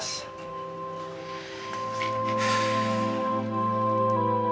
sampai jumpa di